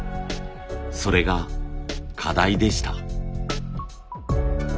それが課題でした。